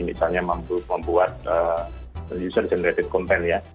misalnya mampu membuat user generated content ya